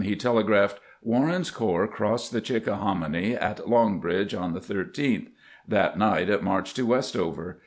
he telegraphed: "Warren's corps crossed the Chickahominy at Long Bridge on the 13th ;... that night it marched to Westover.